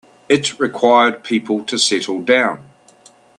It required people to settle down.